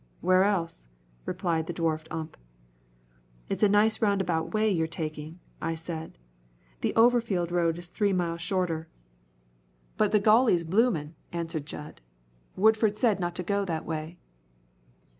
Where else?" replied the dwarfed Ump. "It's a nice roundabout way you're taking," I said. "The Overfield road is three miles shorter." "But the Gauley's boomin'," answered Jud; "Woodford said not to go that way."